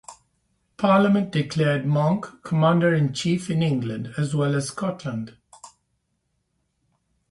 Parliament declared Monck commander-in-chief in England as well as Scotland.